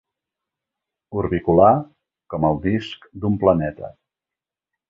Orbicular com el disc d'un planeta.